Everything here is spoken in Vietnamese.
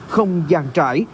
không dàn trải